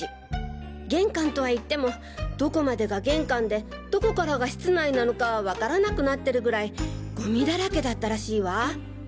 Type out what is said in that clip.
玄関とはいってもどこまでが玄関でどこからが室内なのかわからなくなってるぐらいゴミだらけだったらしいわ。